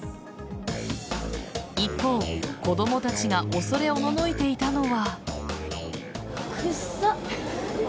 一方、子供たちが恐れおののいていたのは。